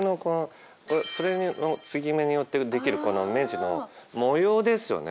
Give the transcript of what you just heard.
それの継ぎ目によって出来るこの目地の模様ですよね。